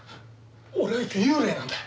俺は幽霊なんだよ。